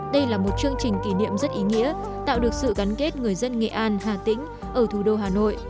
đây là một chương trình kỷ niệm rất ý nghĩa tạo được sự gắn kết người dân nghệ an hà tĩnh ở thủ đô hà nội